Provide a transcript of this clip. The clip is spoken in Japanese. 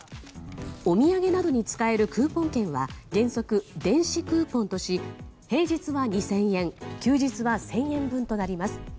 お土産などに使えるクーポン券は原則、電子クーポンとし平日は２０００円休日は１０００円分となります。